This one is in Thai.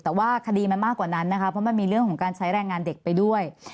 แต่ว่าคดีมันมากกว่านั้นนะคะเพราะมันมีเรื่องของการใช้แรงงานเด็กไปด้วย